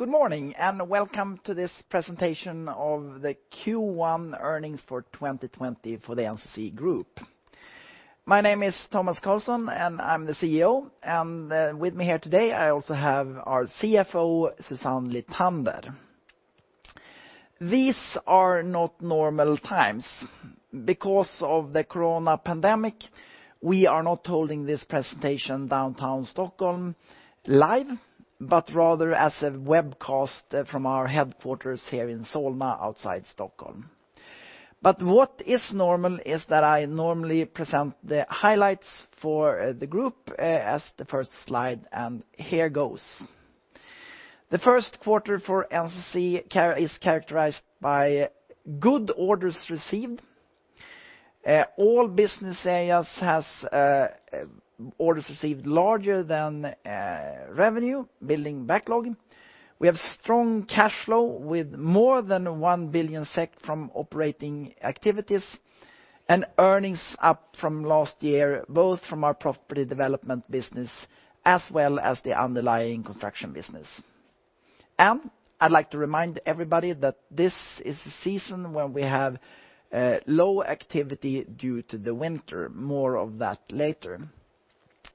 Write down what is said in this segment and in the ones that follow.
Good morning, and welcome to this presentation of the Q1 earnings for 2020 for the NCC Group. My name is Tomas Carlsson, and I'm the CEO. With me here today, I also have our CFO, Susanne Lithander. These are not normal times. Because of the corona pandemic, we are not holding this presentation downtown Stockholm live, but rather as a webcast from our headquarters here in Solna, outside Stockholm. What is normal is that I normally present the highlights for the group as the first slide, and here goes. The first quarter for NCC is characterized by good orders received. All business areas has orders received larger than revenue, building backlog. We have strong cash flow with more than 1 billion SEK from operating activities, and earnings up from last year, both from our Property Development business, as well as the underlying construction business. I'd like to remind everybody that this is the season when we have low activity due to the winter. More of that later.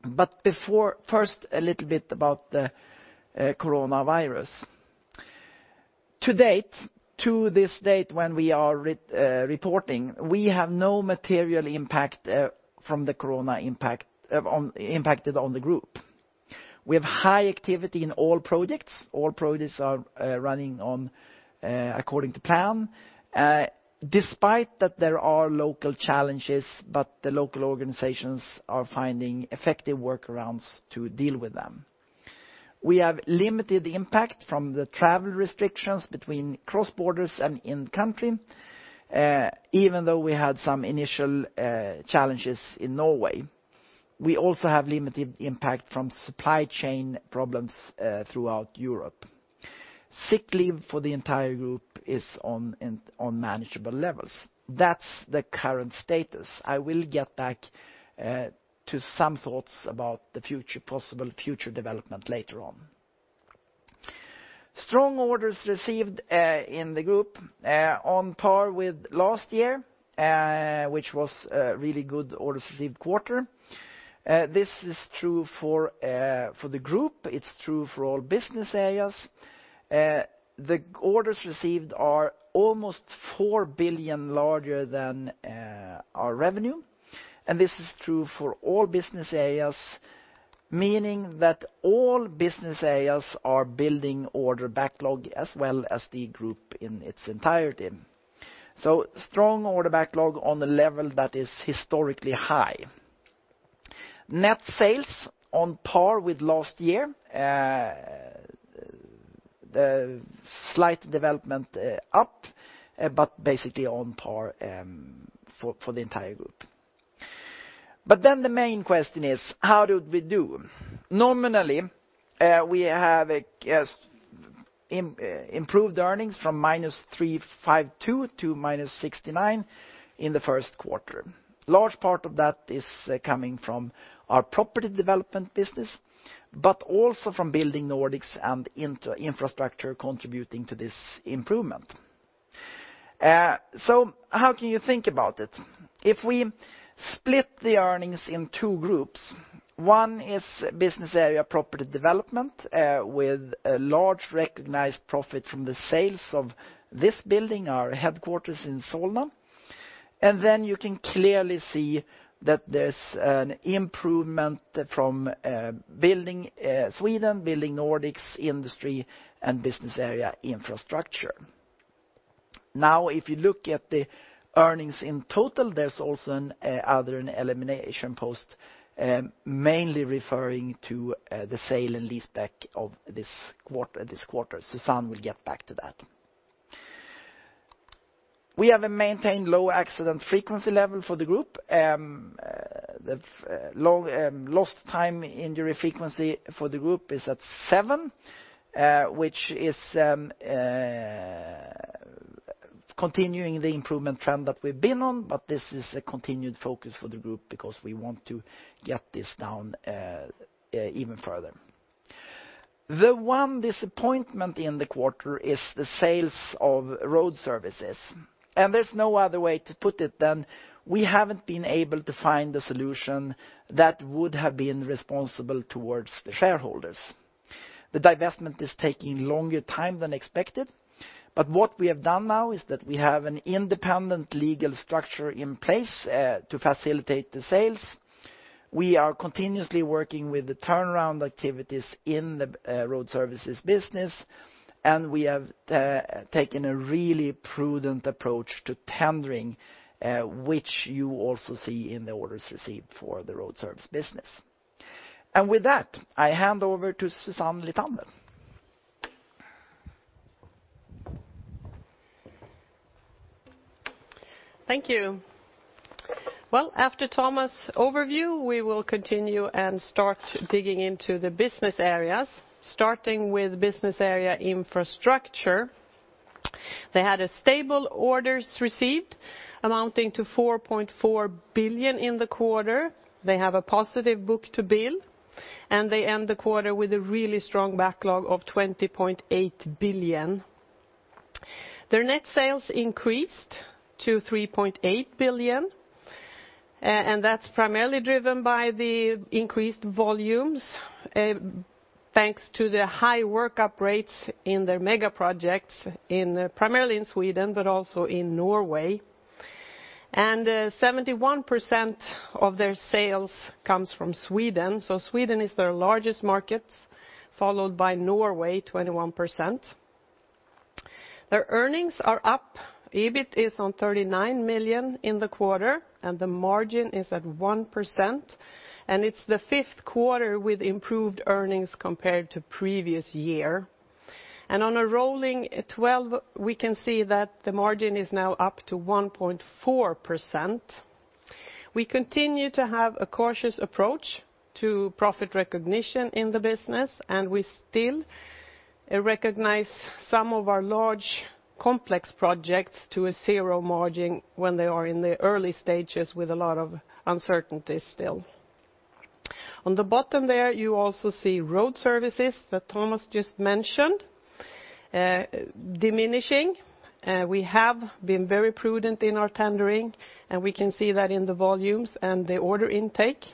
But before first, a little bit about the coronavirus. To date, to this date when we are reporting, we have no material impact from the corona impact impacted on the group. We have high activity in all projects. All projects are running on according to plan despite that there are local challenges, but the local organizations are finding effective workarounds to deal with them. We have limited impact from the travel restrictions between cross-border and in-country, even though we had some initial challenges in Norway. We also have limited impact from supply chain problems throughout Europe. Sick leave for the entire group is on manageable levels. That's the current status. I will get back to some thoughts about the future, possible future development later on. Strong orders received in the group on par with last year, which was a really good orders received quarter. This is true for the group. It's true for all business areas. The orders received are almost 4 billion larger than our revenue, and this is true for all business areas, meaning that all business areas are building order backlog as well as the group in its entirety. Strong order backlog on the level that is historically high. Net sales on par with last year. The slight development up, but basically on par for the entire group. But then the main question is: how did we do? Nominally, we have improved earnings from -352 to -69 in the first quarter. Large part of that is coming from our property development business, but also from Building Nordics and into Infrastructure contributing to this improvement. So how can you think about it? If we split the earnings in two groups, one is business area Property Development, with a large recognized profit from the sales of this building, our headquarters in Solna. And then you can clearly see that there's an improvement from Building Sweden, Building Nordics, Industry, and business area Infrastructure. Now, if you look at the earnings in total, there's also an other, an elimination post, mainly referring to the sale and leaseback of this quarter, this quarter. Susanne will get back to that. We have a maintained low accident frequency level for the group. The rolling lost time injury frequency for the group is at 7, which is continuing the improvement trend that we've been on, but this is a continued focus for the group, because we want to get this down even further. The one disappointment in the quarter is the sales of Road Services, and there's no other way to put it than we haven't been able to find a solution that would have been responsible towards the shareholders. The divestment is taking longer time than expected, but what we have done now is that we have an independent legal structure in place, to facilitate the sales. We are continuously working with the turnaround activities in the Road Services business, and we have taken a really prudent approach to tendering, which you also see in the orders received for the Road Service business. And with that, I hand over to Susanne Lithander. Thank you. Well, after Tomas' overview, we will continue and start digging into the business areas, starting with business area Infrastructure. They had a stable orders received, amounting to 4.4 billion in the quarter. They have a positive book to bill, and they end the quarter with a really strong backlog of 20.8 billion. Their net sales increased to 3.8 billion, and that's primarily driven by the increased volumes, thanks to the high workup rates in their mega projects in, primarily in Sweden, but also in Norway. Seventy-one percent of their sales comes from Sweden, so Sweden is their largest market, followed by Norway, 21%. Their earnings are up. EBIT is on 39 million in the quarter, and the margin is at 1%, and it's the fifth quarter with improved earnings compared to previous year. On a rolling 12, we can see that the margin is now up to 1.4%. We continue to have a cautious approach to profit recognition in the business, and we still recognize some of our large, complex projects to a zero margin when they are in the early stages with a lot of uncertainties still. On the bottom there, you also see Road Services that Tomas just mentioned, diminishing. We have been very prudent in our tendering, and we can see that in the volumes and the order intake.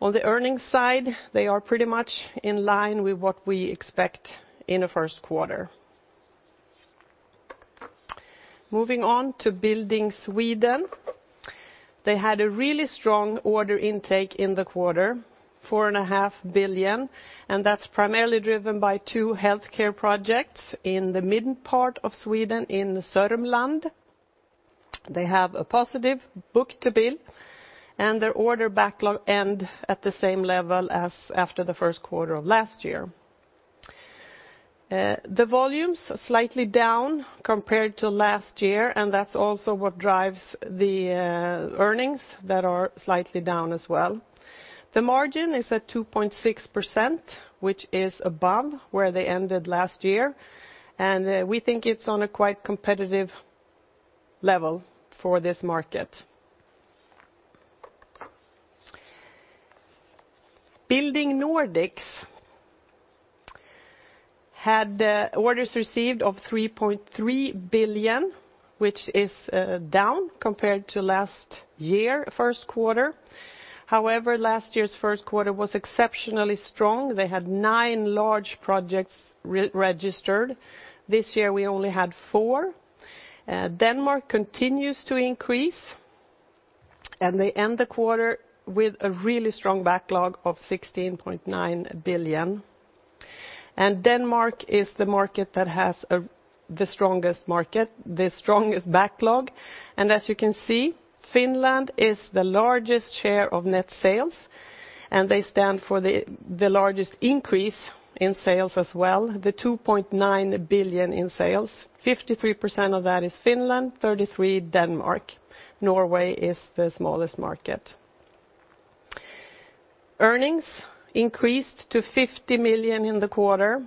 On the earnings side, they are pretty much in line with what we expect in the first quarter. Moving on to Building Sweden, they had a really strong order intake in the quarter, 4.5 billion, and that's primarily driven by two healthcare projects in the mid part of Sweden, in Sörmland. They have a positive book-to-bill, and their order backlog end at the same level as after the first quarter of last year. The volumes are slightly down compared to last year, and that's also what drives the earnings that are slightly down as well. The margin is at 2.6%, which is above where they ended last year, and we think it's on a quite competitive level for this market. Building Nordics had orders received of 3.3 billion, which is down compared to last year, first quarter. However, last year's first quarter was exceptionally strong. They had 9 large projects re-registered. This year, we only had 4. Denmark continues to increase, and they end the quarter with a really strong backlog of 16.9 billion. Denmark is the market that has the strongest backlog. And as you can see, Finland is the largest share of net sales, and they stand for the largest increase in sales as well, the 2.9 billion in sales. 53% of that is Finland, 33%, Denmark. Norway is the smallest market. Earnings increased to 50 million in the quarter,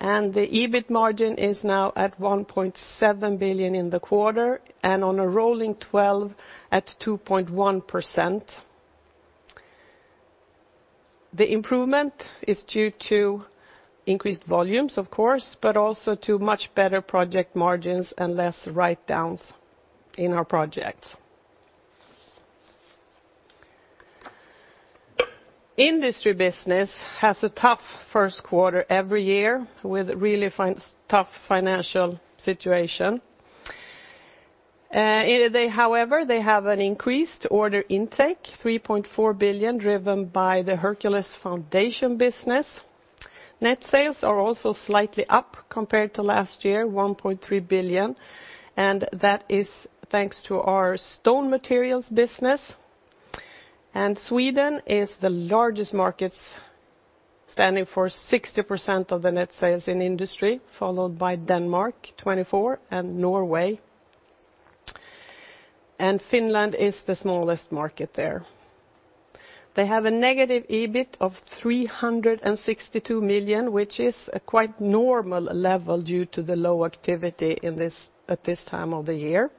and the EBIT margin is now at 1.7 billion in the quarter, and on a rolling 12, at 2.1%. The improvement is due to increased volumes, of course, but also to much better project margins and less write-downs in our projects. Industry business has a tough first quarter every year, with really tough financial situation. They, however, they have an increased order intake, 3.4 billion, driven by the Hercules foundation business. Net sales are also slightly up compared to last year, 1.3 billion, and that is thanks to our stone materials business. Sweden is the largest market, standing for 60% of the net sales in Industry, followed by Denmark, 24%, and Norway. Finland is the smallest market there. They have a negative EBIT of 362 million, which is a quite normal level due to the low activity in this, at this time of the year.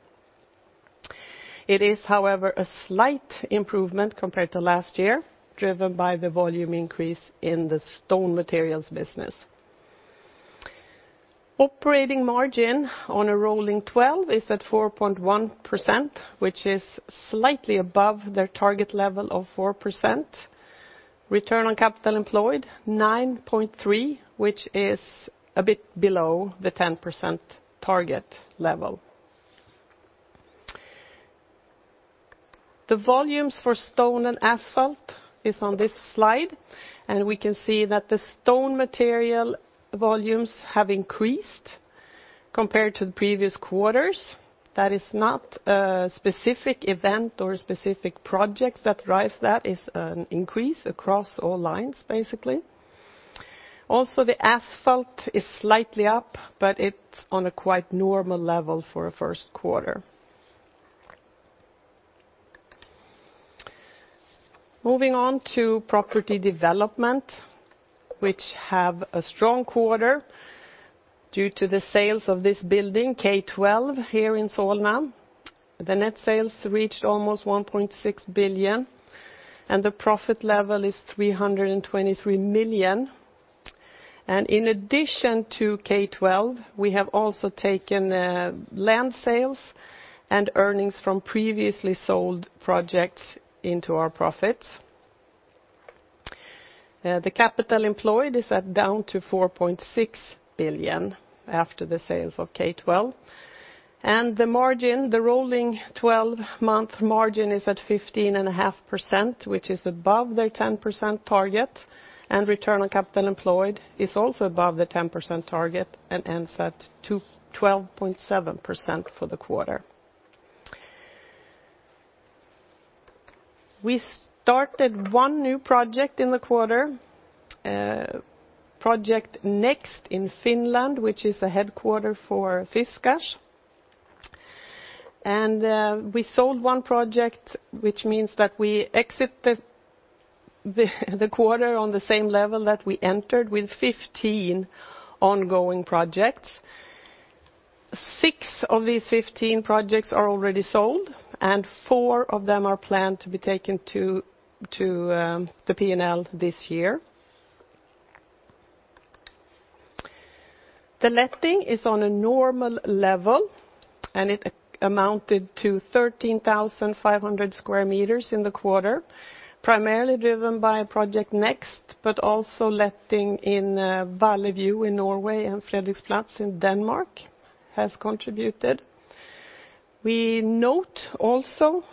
It is, however, a slight improvement compared to last year, driven by the volume increase in the stone materials business. Operating margin on a rolling 12 is at 4.1%, which is slightly above their target level of 4%. Return on capital employed, 9.3%, which is a bit below the 10% target level. The volumes for stone and asphalt is on this slide, and we can see that the stone material volumes have increased compared to the previous quarters. That is not a specific event or a specific project that drives that. It's an increase across all lines, basically. Also, the asphalt is slightly up, but it's on a quite normal level for a first quarter. Moving on to Property Development, which have a strong quarter due to the sales of this building, K12, here in Solna. The net sales reached almost 1.6 billion, and the profit level is 323 million. In addition to K12, we have also taken land sales and earnings from previously sold projects into our profits. The capital employed is down to 4.6 billion after the sales of K12. The margin, the rolling 12-month margin is at 15.5%, which is above their 10% target, and return on capital employed is also above the 10% target, and ends at 12.7% for the quarter. We started one new project in the quarter, Project Next in Finland, which is a headquarter for Fiskars. We sold one project, which means that we exit the quarter on the same level that we entered, with 15 ongoing projects. Six of these 15 projects are already sold, and four of them are planned to be taken to the P&L this year. The letting is on a normal level, and it amounted to 13,500 sq m in the quarter, primarily driven by Project Next, but also letting in Valle View in Norway and Frederiks Plads in Denmark has contributed. We note also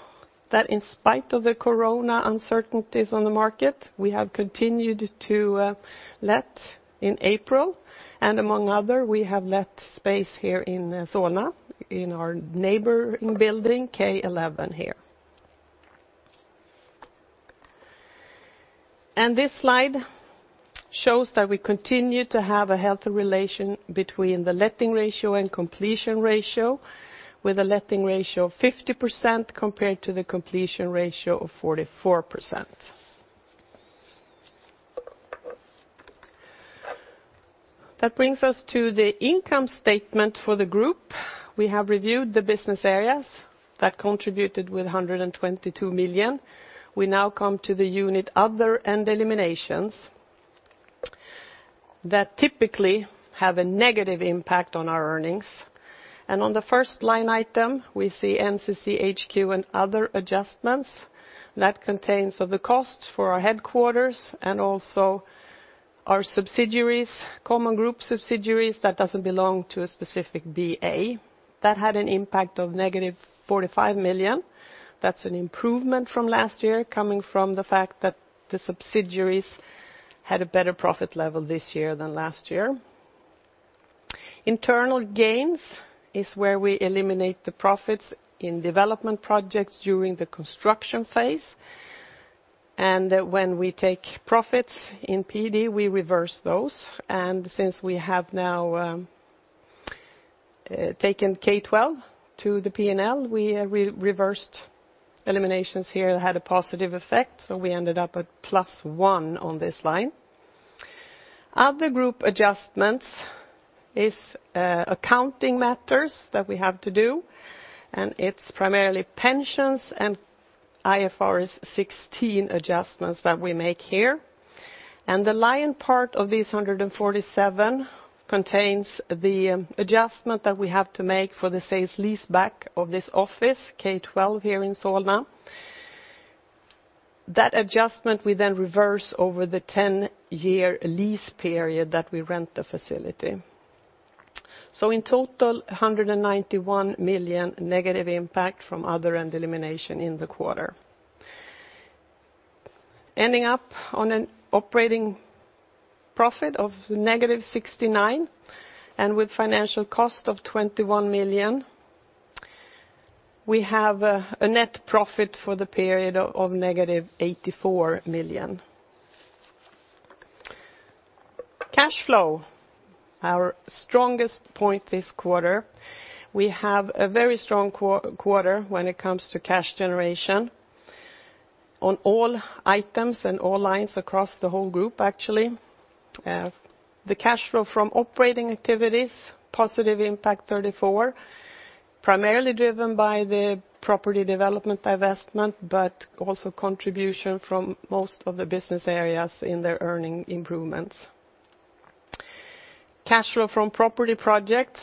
that in spite of the corona uncertainties on the market, we have continued to let in April, and among other, we have let space here in Solna, in our neighboring building, K11 here. And this slide shows that we continue to have a healthy relation between the letting ratio and completion ratio, with a letting ratio of 50% compared to the completion ratio of 44%. That brings us to the income statement for the group. We have reviewed the business areas that contributed with 122 million. We now come to the unit other and eliminations, that typically have a negative impact on our earnings. And on the first line item, we see NCC HQ and other adjustments. That contains of the costs for our headquarters and also our subsidiaries, common group subsidiaries, that doesn't belong to a specific BA. That had an impact of -45 million. That's an improvement from last year, coming from the fact that the subsidiaries had a better profit level this year than last year. Internal gains is where we eliminate the profits in development projects during the construction phase, and when we take profits in PD, we reverse those. And since we have now taken K12 to the P&L, we reversed eliminations here that had a positive effect, so we ended up at +1 million on this line. Other group adjustments is accounting matters that we have to do, and it's primarily pensions and IFRS 16 adjustments that we make here. And the lion part of this 147 million contains the adjustment that we have to make for the sale and leaseback of this office, K12, here in Solna. That adjustment we then reverse over the 10-year lease period that we rent the facility. So in total, 191 million negative impact from other and elimination in the quarter. Ending up on an operating profit of negative 69 million, and with financial cost of 21 million, we have a, a net profit for the period of, of negative 84 million. Cash flow, our strongest point this quarter. We have a very strong quarter when it comes to cash generation on all items and all lines across the whole group, actually. The cash flow from operating activities, positive impact 34 million, primarily driven by the Property Development investment, but also contribution from most of the business areas in their earning improvements. Cash flow from property projects,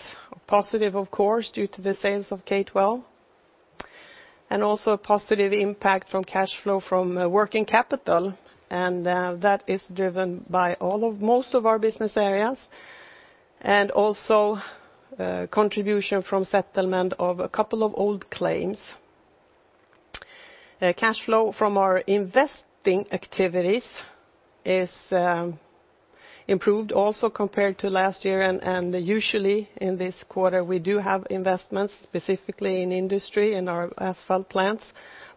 positive of course, due to the sales of K12, and also a positive impact from cash flow from working capital, and that is driven by all of most of our business areas, and also contribution from settlement of a couple of old claims. Cash flow from our investing activities is improved also compared to last year, and usually in this quarter, we do have investments, specifically in Industry and our asphalt plants.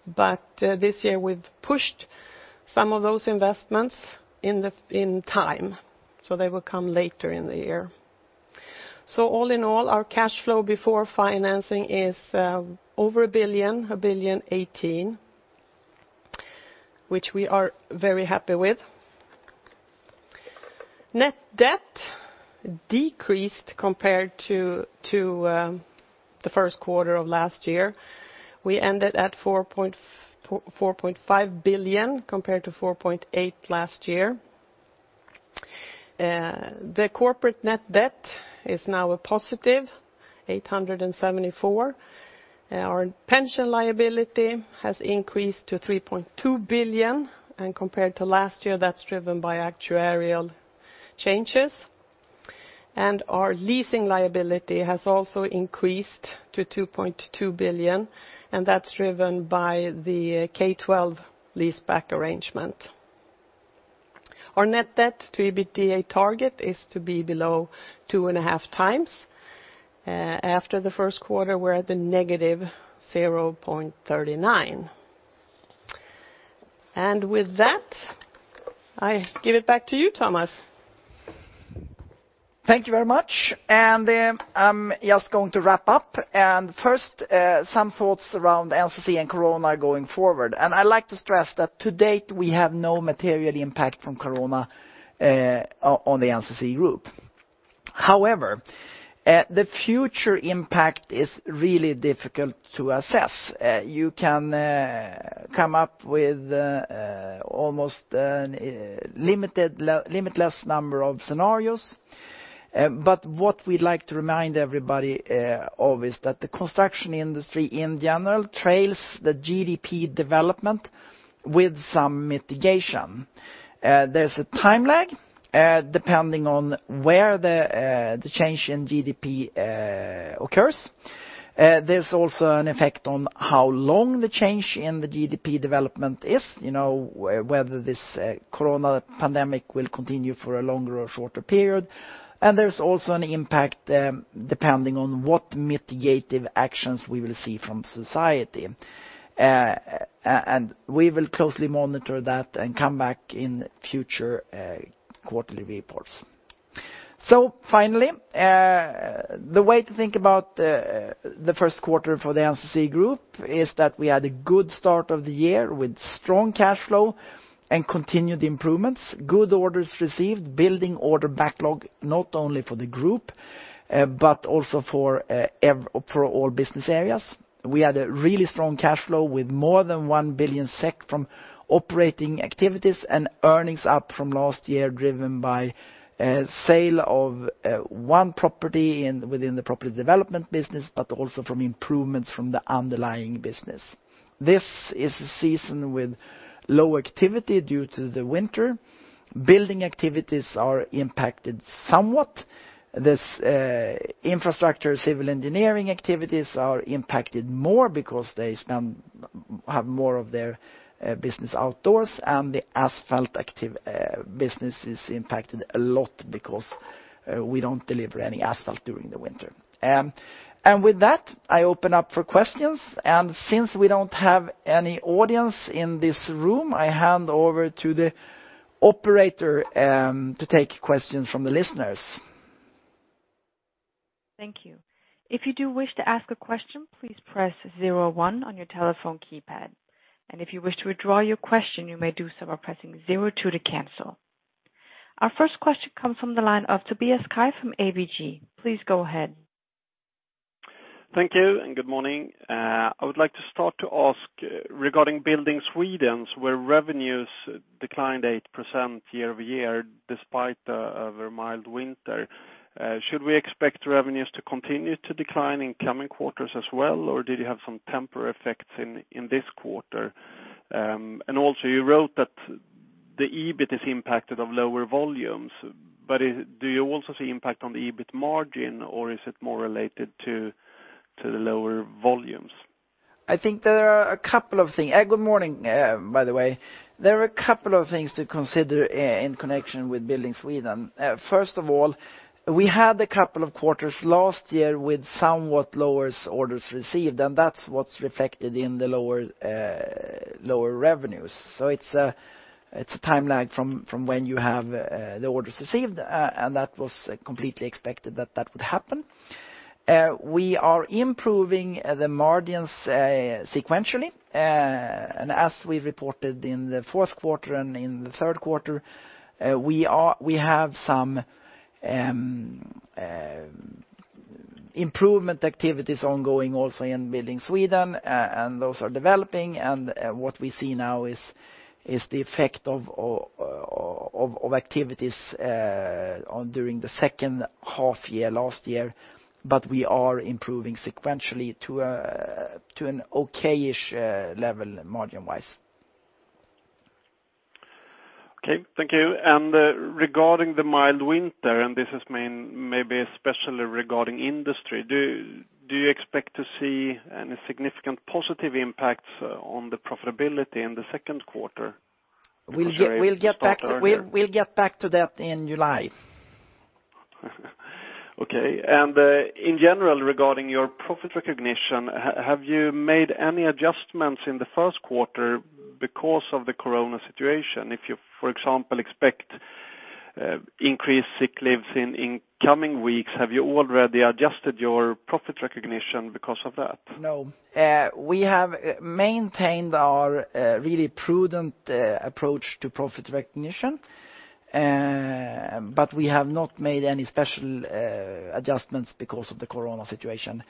But this year we've pushed some of those investments in time, so they will come later in the year. So all in all, our cash flow before financing is over 1 billion, 1,018 million, which we are very happy with. Net debt decreased compared to the first quarter of last year. We ended at 4.5 billion, compared to 4.8 billion last year. The corporate net debt is now a positive 874 million. Our pension liability has increased to 3.2 billion, and compared to last year, that's driven by actuarial changes. Our leasing liability has also increased to 2.2 billion, and that's driven by the K12 leaseback arrangement. Our net debt to EBITDA target is to be below 2.5 times. After the first quarter, we're at the negative 0.39. With that, I give it back to you, Tomas. Thank you very much. I'm just going to wrap up. First, some thoughts around NCC and corona going forward. I'd like to stress that to date, we have no material impact from corona on the NCC group. However, the future impact is really difficult to assess. You can come up with almost limitless number of scenarios. But what we'd like to remind everybody of is that the construction industry, in general, trails the GDP development with some mitigation. There's a time lag depending on where the change in GDP occurs. There's also an effect on how long the change in the GDP development is, you know, whether this corona pandemic will continue for a longer or shorter period. There's also an impact, depending on what mitigative actions we will see from society. We will closely monitor that and come back in future quarterly reports. Finally, the way to think about the first quarter for the NCC group is that we had a good start of the year with strong cash flow and continued improvements, good orders received, building order backlog, not only for the group, but also for all business areas. We had a really strong cash flow with more than 1 billion SEK from operating activities and earnings up from last year, driven by a sale of one property within the Property Development business, but also from improvements from the underlying business. This is a season with low activity due to the winter. Building activities are impacted somewhat. This infrastructure, civil engineering activities are impacted more because they have more of their business outdoors, and the asphalt activity business is impacted a lot because we don't deliver any asphalt during the winter. And with that, I open up for questions, and since we don't have any audience in this room, I hand over to the operator to take questions from the listeners. Thank you. If you do wish to ask a question, please press zero one on your telephone keypad. If you wish to withdraw your question, you may do so by pressing zero two to cancel. Our first question comes from the line of Tobias Kaj from ABG. Please go ahead. Thank you and good morning. I would like to start to ask regarding Building Sweden, where revenues declined 8% year-over-year, despite a very mild winter. Should we expect revenues to continue to decline in coming quarters as well, or did you have some temporary effects in this quarter? And also, you wrote that the EBIT is impacted of lower volumes, but do you also see impact on the EBIT margin, or is it more related to the lower volumes? I think there are a couple of things. Good morning, by the way. There are a couple of things to consider in connection with Building Sweden. First of all, we had a couple of quarters last year with somewhat lower orders received, and that's what's reflected in the lower revenues. So it's a time lag from when you have the orders received, and that was completely expected that that would happen. We are improving the margins sequentially, and as we reported in the fourth quarter and in the third quarter, we are—we have some improvement activities ongoing also in Building Sweden, and those are developing. What we see now is the effect of activities on during the second half year last year, but we are improving sequentially to an okay-ish level, margin-wise. Okay, thank you. And, regarding the mild winter, and this is mainly, maybe especially regarding Industry, do you expect to see any significant positive impacts on the profitability in the second quarter? We'll get back- Sorry, earlier. We'll get back to that in July. Okay. And, in general, regarding your profit recognition, have you made any adjustments in the first quarter because of the corona situation? If you, for example, expect increased sick leaves in coming weeks, have you already adjusted your profit recognition because of that? No. We have maintained our really prudent approach to profit recognition. But we have not made any special adjustments because of the corona situation.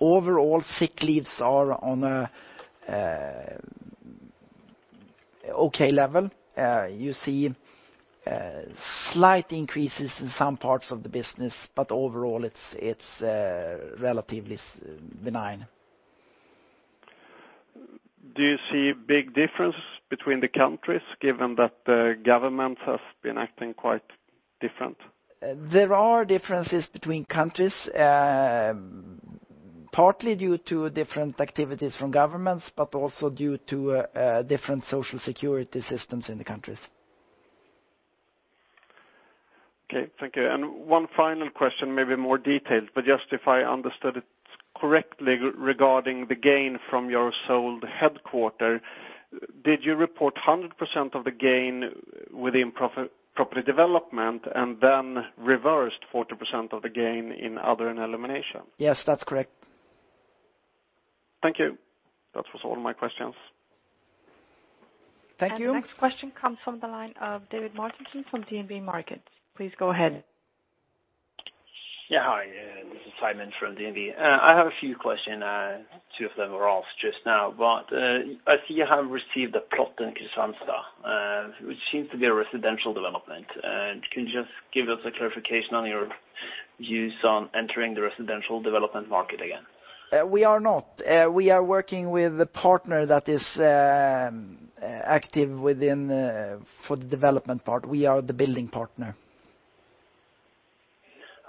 Overall, sick leaves are on a okay level. You see, slight increases in some parts of the business, but overall, it's relatively benign. Do you see big difference between the countries, given that the government has been acting quite different? There are differences between countries, partly due to different activities from governments, but also due to different social security systems in the countries. Okay, thank you. One final question, maybe more detailed, but just if I understood it correctly regarding the gain from your sold headquarters. Did you report 100% of the gain within profit - Property Development, and then reversed 40% of the gain in Other and Eliminations? Yes, that's correct. Thank you. That was all my questions. Thank you. Next question comes from the line of David Mortensen from DNB Markets. Please go ahead. Yeah, hi, this is Simen from DNB. I have a few questions, two of them were asked just now. I see you have received a plot in Kristiansand, which seems to be a residential development. Can you just give us a clarification on your views on entering the residential development market again? We are not. We are working with a partner that is active within for the development part. We are the building partner.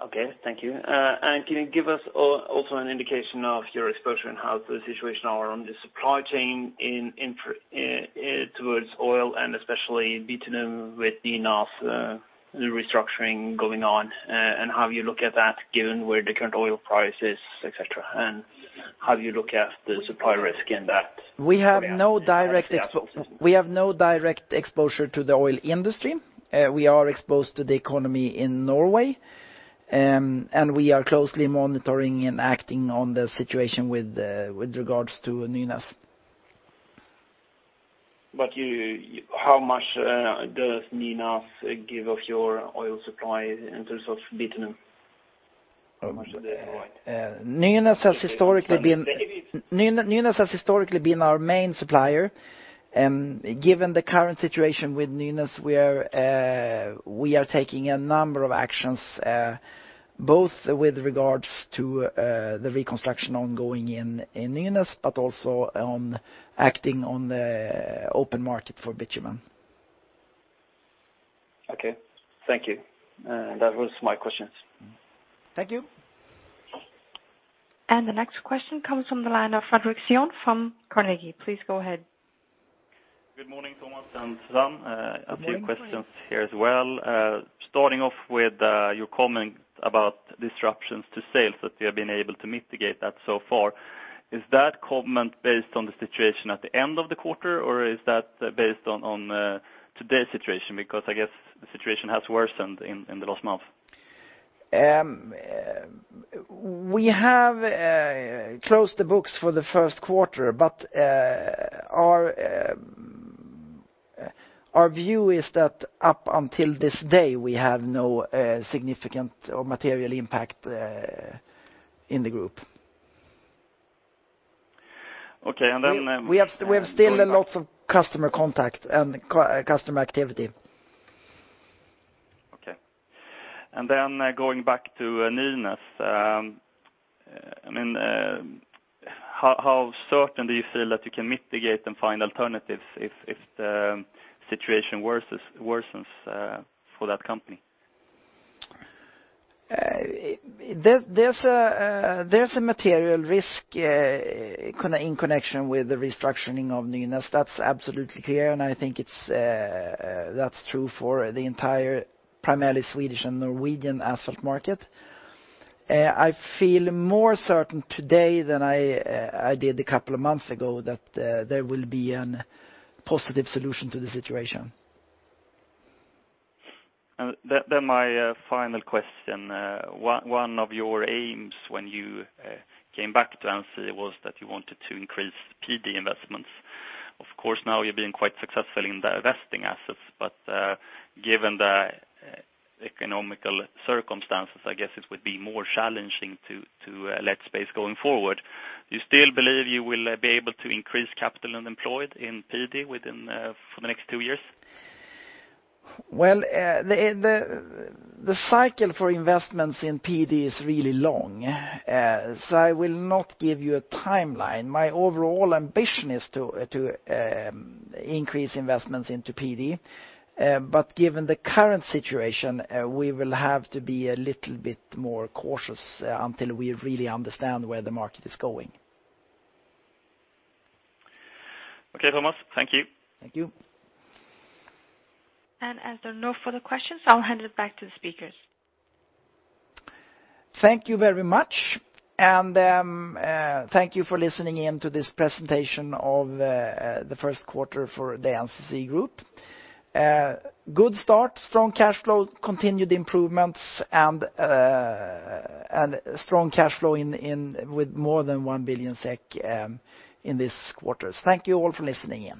Okay, thank you. Can you give us also an indication of your exposure and how the situation is on the supply chain in, in, towards oil, and especially bitumen with the Nynas, the restructuring going on, and how you look at that, given where the current oil price is, et cetera, and how you look at the supply risk in that? We have no direct exposure to the oil industry. We are exposed to the economy in Norway, and we are closely monitoring and acting on the situation with regards to Nynas. But you, how much does Nynas give of your oil supply in terms of bitumen? Nynas has historically been- David- Nynas, Nynas has historically been our main supplier. Given the current situation with Nynas, we are taking a number of actions, both with regards to the reconstruction ongoing in Nynas, but also on acting on the open market for bitumen. Okay. Thank you. That was my questions. Thank you. The next question comes from the line of Fredrik Skoglund from Carnegie. Please go ahead. Good morning, Tomas and Susanne. Good morning. A few questions here as well. Starting off with your comment about disruptions to sales, that you have been able to mitigate that so far. Is that comment based on the situation at the end of the quarter, or is that based on today's situation? Because I guess the situation has worsened in the last month. We have closed the books for the first quarter, but our view is that up until this day, we have no significant or material impact in the group. Okay, and then, We have still lots of customer contact and customer activity. Okay. And then going back to Nynas. I mean, how certain do you feel that you can mitigate and find alternatives if the situation worsens for that company? There's a material risk in connection with the restructuring of Nynas. That's absolutely clear, and I think that's true for the entire, primarily Swedish and Norwegian asphalt market. I feel more certain today than I did a couple of months ago, that there will be a positive solution to the situation. Then my final question. One of your aims when you came back to NCC was that you wanted to increase PD investments. Of course, now you're being quite successful in divesting assets, but given the economic circumstances, I guess it would be more challenging to let space going forward. You still believe you will be able to increase capital employed in PD within for the next two years? Well, the cycle for investments in PD is really long, so I will not give you a timeline. My overall ambition is to increase investments into PD. But given the current situation, we will have to be a little bit more cautious until we really understand where the market is going. Okay, Tomas, thank you. Thank you. As there are no further questions, I'll hand it back to the speakers. Thank you very much. Thank you for listening in to this presentation of the first quarter for the NCC Group. Good start, strong cash flow, continued improvements, and strong cash flow in... with more than 1 billion SEK in this quarter. Thank you all for listening in.